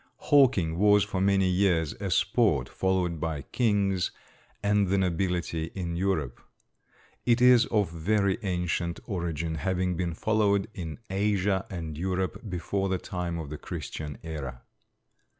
Hawking was for many years a sport followed by kings and the nobility in Europe. It is of very ancient origin, having been followed in Asia and Europe before the time of the Christian era.